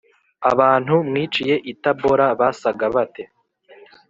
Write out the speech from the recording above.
abantu mwiciye i Tabora basaga bate